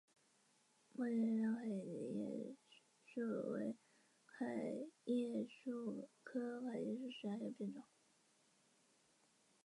管制由国土交通省大阪航空局下地岛空港事务所航空管制官担当。